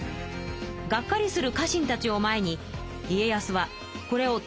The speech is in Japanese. がっかりする家臣たちを前に家康はこれをチャンスととらえます。